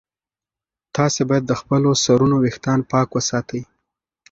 تاسي باید د خپلو سرونو ویښتان پاک وساتئ.